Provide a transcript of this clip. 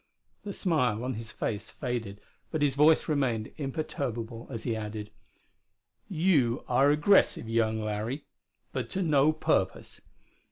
The smile on his face faded, but his voice remained imperturbable as he added: "You are aggressive, young Larry but to no purpose....